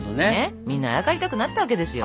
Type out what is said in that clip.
みんなあやかりたくなったわけですよ。